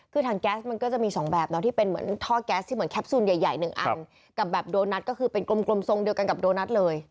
คือถังแก๊สมันก็จะมีสองแบบเนาะที่เป็นเหมือนท่อแก๊สที่เหมือนแคปซูลใหญ่หนึ่งอันกับแบบโดนัทก็คือเป็นกลมทรงเดียวกันกับโดนัทเลย